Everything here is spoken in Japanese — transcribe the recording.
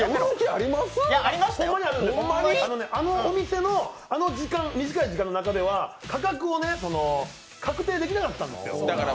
ありましたよ、あのお店のあの短い時間の中では価格をね、確定できなかったんですよ。